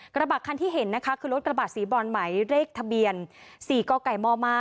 กระบาดคันที่เห็นนะคะคือรถกระบาดสีบอลไหมเลขทะเบียนสี่ก้าวไก่ม่อม้า